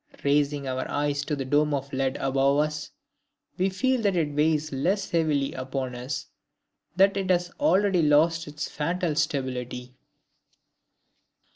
Raising our eyes to the Dome of lead above us, we feel that it weighs less heavily upon us, that it has already lost its fatal stability.